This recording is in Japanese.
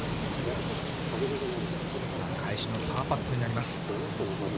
返しのパーパットになります。